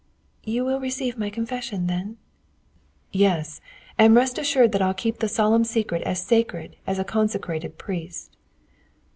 "You will receive my confession, then?" "Yes; and rest assured that I'll keep the solemn secret as sacred as a consecrated priest."